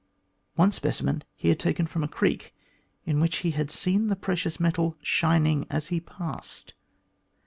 One specimen he had taken from a creek, in which he had seen the precious metal shining as he passed.